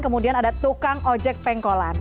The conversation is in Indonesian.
kemudian ada tukang ojek pengkolan